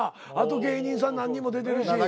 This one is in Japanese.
あと芸人さん何人も出てるし。